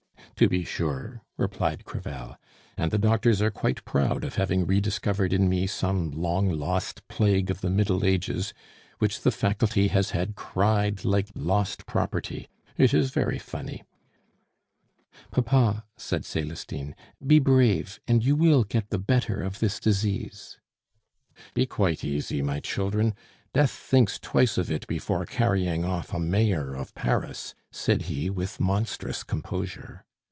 "To be sure," replied Crevel. "And the doctors are quite proud of having rediscovered in me some long lost plague of the Middle Ages, which the Faculty has had cried like lost property it is very funny!" "Papa," said Celestine, "be brave, and you will get the better of this disease." "Be quite easy, my children; Death thinks twice of it before carrying off a Mayor of Paris," said he, with monstrous composure.